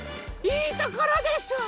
いいところでしょ？